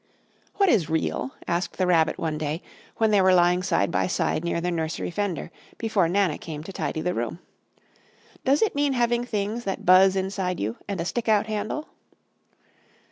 "What is REAL?" asked the Rabbit one day, when they were lying side by side near the nursery fender, before Nana came to tidy the room. "Does it mean having things that buzz inside you and a stick out handle?"